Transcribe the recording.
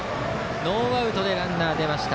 ノーアウトでランナー出ました。